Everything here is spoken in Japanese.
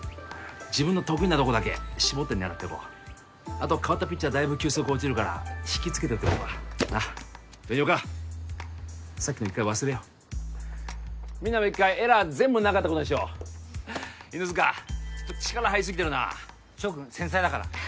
自分の得意なとこだけ絞って狙ってこうあと代わったピッチャーだいぶ球速落ちるから引きつけて打ってこうかなっ紅岡さっきの一回忘れようみんなも一回エラー全部なかったことにしよう犬塚力入りすぎてるな翔君繊細だからはい